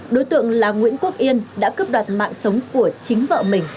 đối tượng là nguyễn quốc yên đã cướp đoạt mạng sống của chính vợ mình